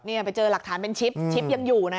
นี่ไปเจอหลักฐานเป็นชิปชิปยังอยู่นะ